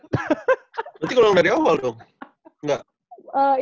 berarti ulang dari awal dong nggak